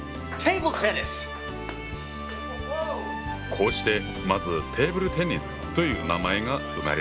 こうしてまず「テーブルテニス」という名前が生まれたんだよ。